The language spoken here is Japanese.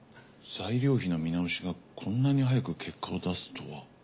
材料費の見直しがこんなに早く結果を出すとは。